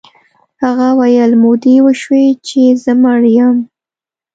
هغه ویل مودې وشوې چې زه مړ یم